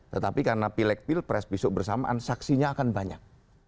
tetapi karena pilek pilek pres bisuk bersamaan saksinya akan banyak